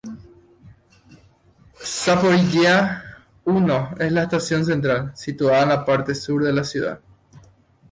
Zaporiyia I es la estación central, situada en la parte sur de la ciudad.